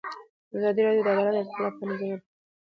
ازادي راډیو د عدالت د ارتقا لپاره نظرونه راټول کړي.